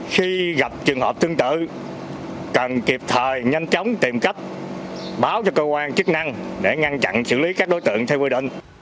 khi gặp trường hợp tương tự cần kịp thời nhanh chóng tìm cách báo cho cơ quan chức năng để ngăn chặn xử lý các đối tượng theo quy định